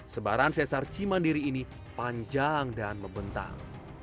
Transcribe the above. sebaran sesar cimandiri ini panjang dan membentang